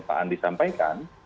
pak andi sampaikan